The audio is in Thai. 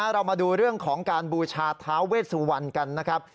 เรามาดูเรื่องของการบูชาท้าเวสวรรณกันนะครับ